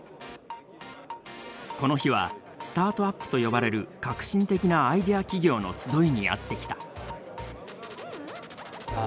この日はスタートアップと呼ばれる革新的なアイデア企業の集いにやって来た。